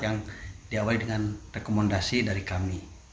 yang diawali dengan rekomendasi dari kami